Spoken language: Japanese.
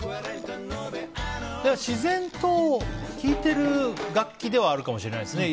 自然と聴いてる楽器ではあるかもしれないですね。